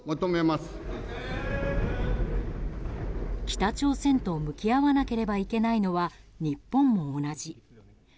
北朝鮮と向き合わなければいけないのは、日本も同じ。